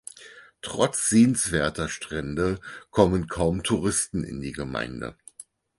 Trotz sehenswerter Strände kommen kaum Touristen in die Gemeinde.